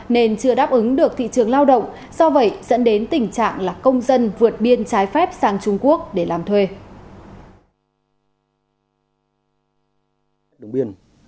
nên chưa đáp ứng được thị trường lao động do vậy dẫn đến tình trạng là công dân vượt biên trái phép sang trung quốc để làm thuê